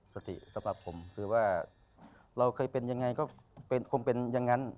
สติสำหรับผมคือว่าเราเคยเป็นยังไงก็คงเป็นอย่างนั้น